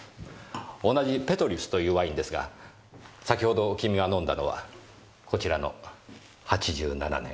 同じ「ペトリュス」というワインですが先程君が飲んだのはこちらの８７年。